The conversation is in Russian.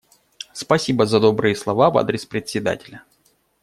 Спасибо за добрые слова в адрес Председателя.